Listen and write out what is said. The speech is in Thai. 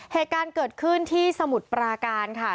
เหตุการณ์เกิดขึ้นที่สมุทรปราการค่ะ